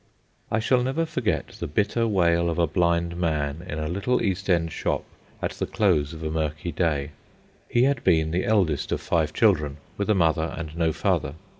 I shall never forget the bitter wail of a blind man in a little East End shop at the close of a murky day. He had been the eldest of five children, with a mother and no father.